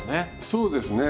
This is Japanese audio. そうですね。